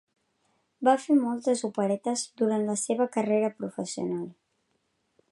Va fer moltes operetes durant la seva carrera professional.